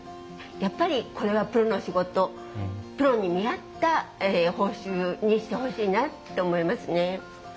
やっぱりこれがプロの仕事プロに見合った報酬にしてほしいなって思いますね。